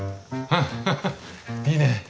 あいいね。